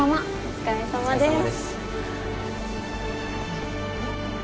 お疲れさまです。